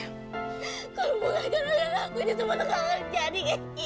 kalau bukan karena lelahku ini semua terjadi seperti ini